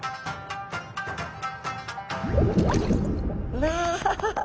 うわ！